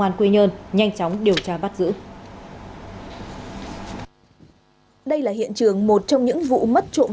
an quy nhơn nhanh chóng điều tra bắt giữ đây là hiện trường một trong những vụ mất trộm